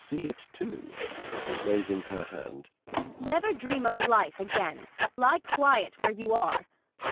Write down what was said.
] Never dream of life again! Lie quiet where you are.